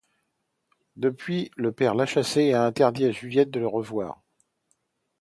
Depuis, le père l'a chassé et a interdit à Juliette de le revoir.